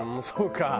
そうか。